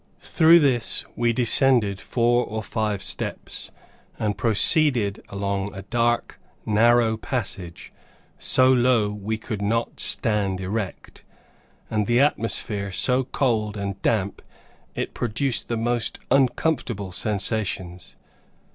Through this we descended four or five steps, and proceeded along a dark, narrow passage, so low we could not stand erect, and the atmosphere so cold and damp it produced the most uncomfortable sensations.